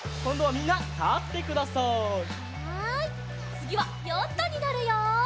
つぎはヨットにのるよ。